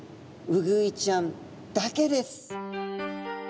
ウグイちゃんだけです！